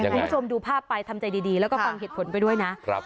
คุณผู้ชมดูภาพไปทำใจดีแล้วก็ฟังเหตุผลไปด้วยนะ